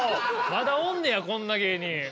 まだおんねやこんな芸人。